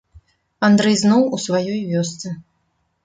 Андрэй зноў у сваёй вёсцы.